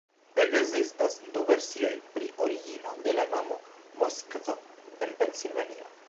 Ekzistas du versioj pri origino de la nomo Moskvo en Pensilvanio.